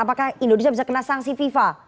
apakah indonesia bisa kena sanksi fifa